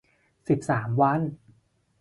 สิบสาม วัน